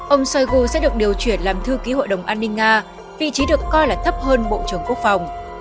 ông shoigu sẽ được điều chuyển làm thư ký hội đồng an ninh nga vị trí được coi là thấp hơn bộ trưởng quốc phòng